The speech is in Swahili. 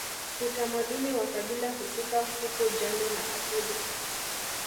Utamaduni wa kabila husika huku jando la asili